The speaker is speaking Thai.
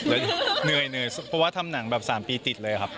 เหนื่อยเพราะว่าทำหนังแบบ๓ปีติดเลยครับ